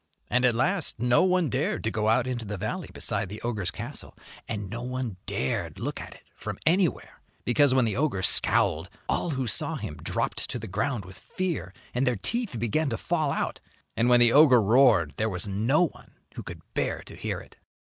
And at last no one dared to go out into the valley beside the ogre's castle, and no one dared look at it from anywhere, because when the ogre scowled all who saw him dropped to the ground with fear, and their teeth began to fall out, and when the ogre roared there was no one who could bear to hear it.